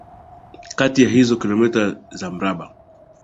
kati ya hizo Kilomita za Mraba